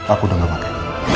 aku udah gak pake